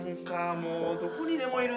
もうどこにでもいるなぁ。